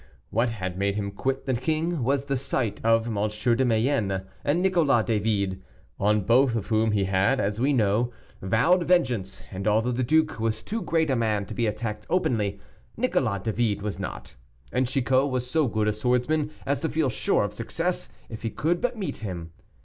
What had made him quit the king was the sight of M. de Mayenne and Nicolas David, on both of whom he had, as we know, vowed vengeance; and although the duke was too great a man to be attacked openly, Nicolas David was not, and Chicot was so good a swordsman as to feel sure of success if he could but meet him.